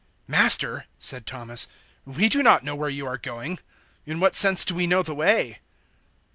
014:005 "Master," said Thomas, "we do not know where you are going. In what sense do we know the way?"